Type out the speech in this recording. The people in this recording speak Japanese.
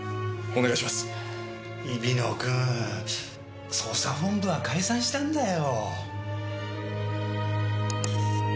日比野君捜査本部は解散したんだよ。